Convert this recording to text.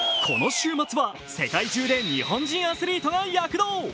この週末は世界中で日本人アスリートが躍動。